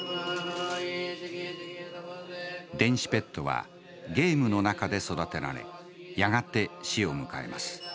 電子ペットはゲームの中で育てられやがて死を迎えます。